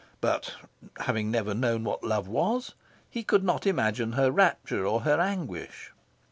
But, having never known what love was, he could not imagine her rapture or her anguish.